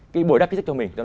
cái bồi đắp kỹ thức cho mình